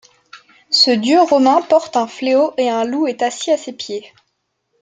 Ce dieu romain porte un fléau et un loup est assis à ses pieds.